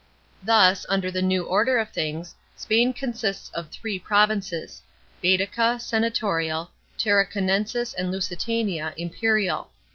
Thus, under the new order of things, Spain consists of three provinces : Bsetica, senatorial : Tarraconensis and Lusitania, im perial.